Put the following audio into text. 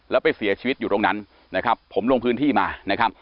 แล้วไปเสียชีวิตอยู่ตรงนั้นนะครับผมลงพื้นที่มานะครับ